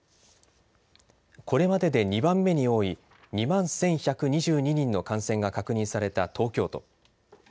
これまでで２番目に多い２万１１２２人の感染が確認された東京都。